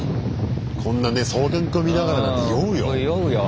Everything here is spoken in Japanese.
こんなね双眼鏡見ながらなんて酔うよ。